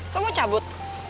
lo mau cabut